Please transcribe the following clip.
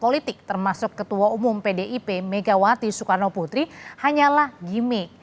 politik termasuk ketua umum pdip megawati soekarno putri hanyalah gimmick